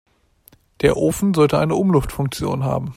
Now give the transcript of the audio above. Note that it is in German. Der Ofen sollte eine Umluftfunktion haben.